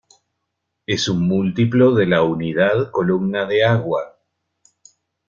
Es un múltiplo de la unidad columna de agua.